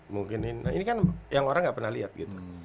mungkin ini kan yang orang gak pernah liat gitu